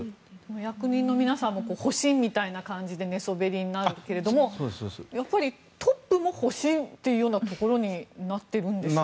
役人の皆さんも保身みたいな感じで寝そべりになるけれどもやっぱりトップも保身というところになっているんでしょうか。